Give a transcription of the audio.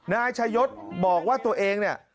นายชายศบอกว่าตัวเองเนี่ย